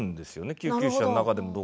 救急車の中でも。